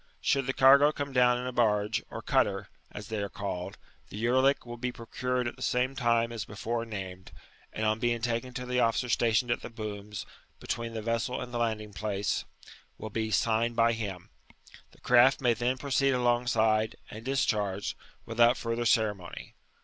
Should the cargo come down in a barge, or cutter (as they are called), the yeriick will be procured at tJie same place as before named, and on being taken to the officer stationed at the booms, between the vessel and the landing place, will be signed by him ; the craft may then proceed alongside, and discharge, without furthtf ceremony.